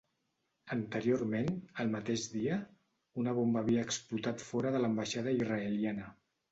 Anteriorment, el mateix dia, una bomba havia explotat fora de l'ambaixada israeliana.